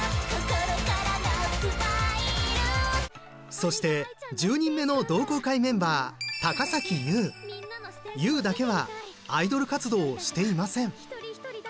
そして１０人目の同好会メンバー侑だけはアイドル活動をしていません。